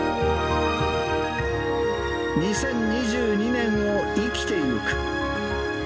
２０２２年を生きていく。